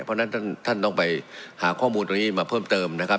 เพราะฉะนั้นท่านต้องไปหาข้อมูลตรงนี้มาเพิ่มเติมนะครับ